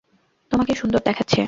তোমাকে সুন্দর দেখাচ্ছে।